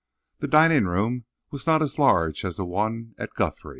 The dining room was not as large as the one at Guthrie.